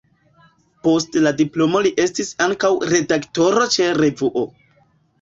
Post la diplomo li estis ankaŭ redaktoro ĉe revuo.